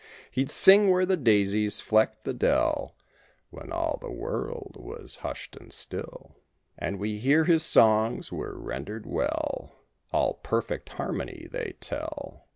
He'd sing where the daisies flecked the dell: When all the world was hushed and still; And we hear his songs were rendered well— All perfect harmony, they tell.